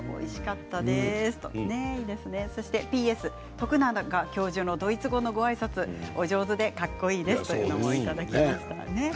徳永教授のドイツ語のごあいさつお上手でかっこいいですというのもいただきましたよ。